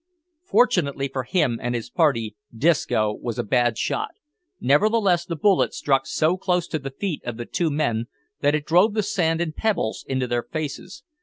Fortunately for him and his party Disco was a bad shot nevertheless the bullet struck so close to the feet of the two men that it drove the sand and pebbles into their faces.